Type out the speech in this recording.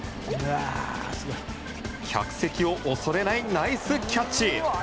客席を恐れないナイスキャッチ。